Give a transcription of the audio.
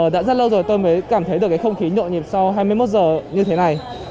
đã rất lâu rồi tôi mới cảm thấy được cái không khí nhộn nhịp sau hai mươi một giờ như thế này